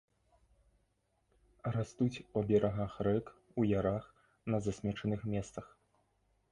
Растуць па берагах рэк, у ярах, на засмечаных месцах.